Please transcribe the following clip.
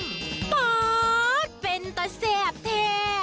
ป๊อ๊กเป็นตะแซ่บแท้